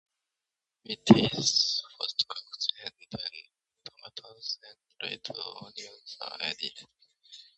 The meat is first cooked and then tomatoes and red onions are added.